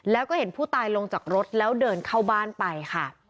แล้วก็เห็นผู้ตายลงจากรถแล้วเดินเข้าบ้านไปค่ะ